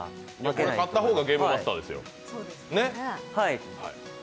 これ勝った方がゲームマスターですよ。